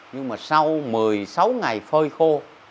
nhưng mà sau một mươi sáu ngày phơi khô